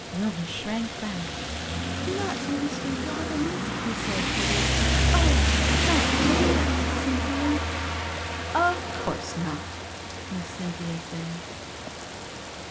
Wilbur shrank back. "Not to Mr. Robins," he said piteously. "Oh, not there, Aunt Cynthia!" "Of course not," Miss Cynthia said.